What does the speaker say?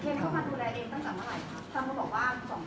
เข้ามาดูแลเองตั้งแต่เมื่อไหร่คะ